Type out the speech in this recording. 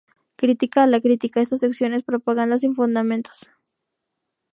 Crítica a la crítica:esta sección es propaganda sin fundamentos.